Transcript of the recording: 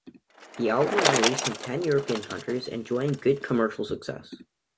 This album was released in ten European countries enjoying good commercial success.